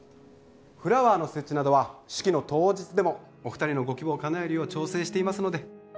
フラワーの設置などは式の当日でもお二人のご希望をかなえるよう調整していますので